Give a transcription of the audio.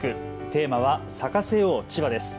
テーマは咲かせよう千葉です。